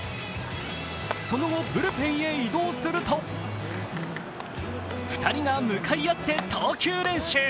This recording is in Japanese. その後、ブルペンへ移動すると２人が向かい合って投球練習。